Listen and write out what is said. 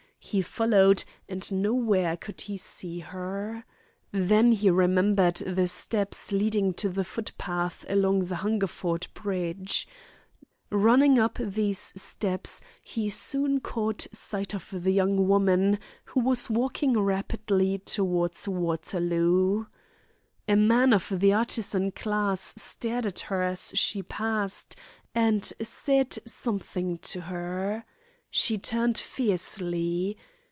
He followed, and nowhere could he see her. Then he remembered the steps leading to the footpath along the Hungerford Bridge. Running up these steps he soon caught sight of the young woman, who was walking rapidly towards Waterloo. A man of the artisan class stared at her as she passed, and said something to her. She turned fiercely.